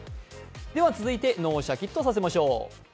続いて、脳をシャキッとさせましょう。